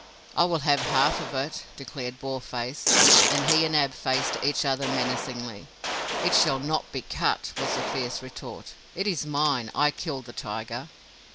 "I will have half of it," declared Boarface, and he and Ab faced each other menacingly. "It shall not be cut," was the fierce retort. "It is mine. I killed the tiger!"